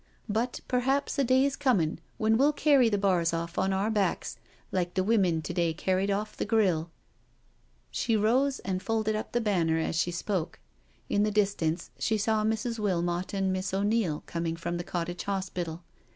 But perhaps a day's coming when we*ll carry the bars off on our backs, like the women to day carried off the grille.'* She rose and folded up the banner as she spoke. In the distance she saw Mrs. Wilmot and Miss O'Neil coming from the Cottage Hospital.